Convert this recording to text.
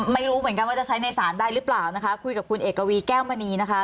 ไม่รู้เหมือนกันว่าจะใช้ในศาลได้หรือเปล่านะคะคุยกับคุณเอกวีแก้วมณีนะคะ